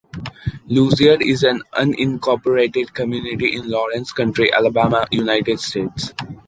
Loosier is an unincorporated community in Lawrence County, Alabama, United States.